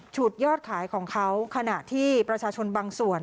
ยอดขายของเขาขณะที่ประชาชนบางส่วน